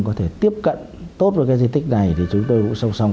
có thể tiếp cận tốt với cái di tích này thì chúng tôi cũng song song